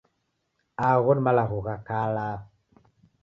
Agho ni malagho gha kala.